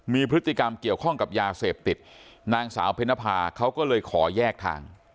มีพฤติกรรมเกี่ยวข้องกับยาเสพติดนางสาวเพนภาเขาก็เลยขอแยกทาง